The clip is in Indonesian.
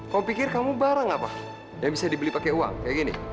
kau pikir kamu barang apa dan bisa dibeli pakai uang kayak gini